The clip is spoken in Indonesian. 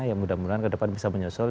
yang mudah mudahan ke depan bisa menyusul